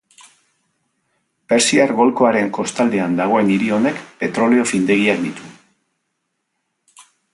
Persiar golkoaren kostaldean dagoen hiri honek petrolio findegiak ditu.